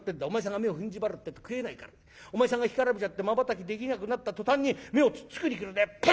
お前さんが目をふん縛るってえと食えないからお前さんが干からびちゃってまばたきできなくなった途端に目をつっつきに来るんだよ。